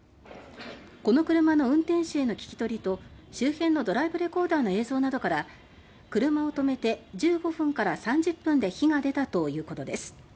この車の運転手への聞き取りと周辺のドライブレコーダーの映像などから車を停めて１５分から３０分で火が出たということです。